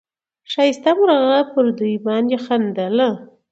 ښایسته مرغه پر دوی باندي خندله